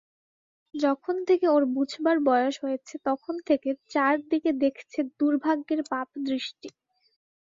যখন থেকে ওর বোঝবার বয়স হয়েছে তখন থেকে চার দিকে দেখছে দুর্ভাগ্যের পাপদৃষ্টি।